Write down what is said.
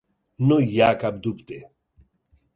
No hi ha cap dubte.